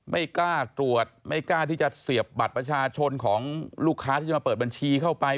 ไม่กล้าตรวจไม่กล้าที่จะเสียบบัตรประชาชนของลูกค้าที่จะมาเปิดบัญชีเข้าไป